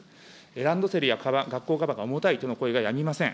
ランドセルやかばん、学校かばんが重たいとの声がやみません。